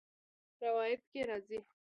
روايت کي راځي :